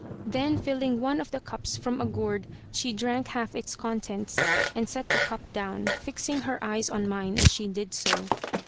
Then, filling one of the cups from a gourd, she drank half its contents and set the cup down, fixing her eyes on mine as she did so.